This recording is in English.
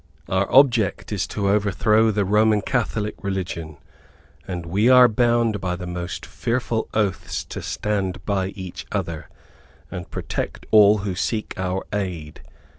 Our object is, to overthrow the Roman Catholic religion, and we are bound by the most fearful oaths to stand by each other, and protect all who seek our aid.